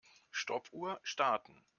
Stoppuhr starten.